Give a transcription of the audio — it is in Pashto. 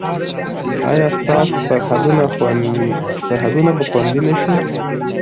ایا ستاسو سرحدونه به خوندي نه شي؟